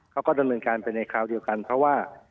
เขาก็ดำเนินการไปในคราวเดียวกันเพราะว่า